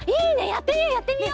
やってみようやってみよう！